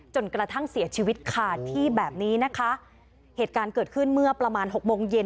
จนกระทั่งเสียชีวิตขาดที่แบบนี้นะคะเหตุการณ์เกิดขึ้นเมื่อประมาณหกโมงเย็น